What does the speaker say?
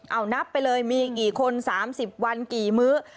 เอานับไปเลยมีกี่คน๓๐วันกี่มื้อ